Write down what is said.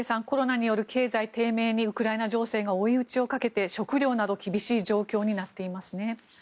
コロナによる経済低迷にウクライナ情勢が追い打ちをかけて食料が厳しい状況になっていますね。